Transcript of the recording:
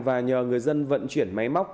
và nhờ người dân vận chuyển máy móc